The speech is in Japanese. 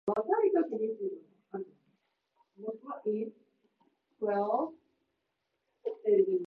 主人は鼻の下の黒い毛を撚りながら吾輩の顔をしばらく眺めておったが、